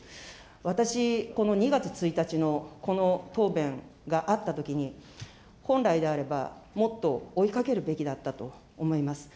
私、この２月１日のこの答弁があったときに、本来であれば、もっと追いかけるべきだったと思います。